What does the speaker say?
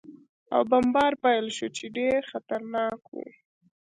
او بمبار پېل شو، چې ډېر خطرناک و.